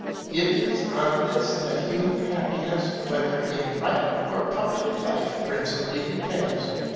It is on this that human happiness, whether in private or public life, principally depends.